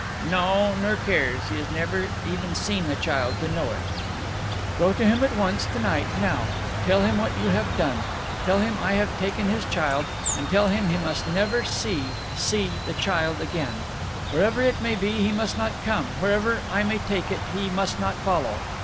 "No, nor cares. He has never even seen the child to know it." "Go to him at once tonight now! Tell him what you have done. Tell him I have taken his child, and tell him he must never see see the child again. Wherever it may be, he must not come; wherever I may take it, he must not follow!